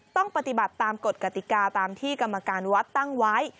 ต้องปฏิบัติตามกฎกติกาตามที่กรรมการวัดตั้งไว้